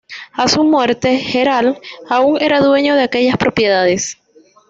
A su muerte Gerald aún era dueño de aquellas propiedades.